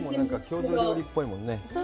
郷土料理っぽいよね。